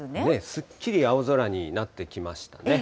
すっきり青空になってきましたね。